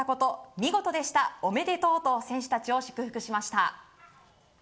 見事でした、おめでとうと選手たちを祝福しました。